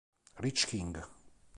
Rich King